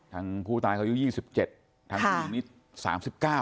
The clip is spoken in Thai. ทางผู้ตายเขายุ่ง๒๗ทางผู้หญิงนี้๓๙